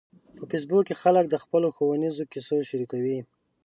په فېسبوک کې خلک د خپلو ښوونیزو کیسو شریکوي